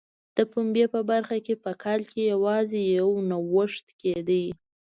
د پنبې په برخه کې په کال کې یوازې یو نوښت کېده.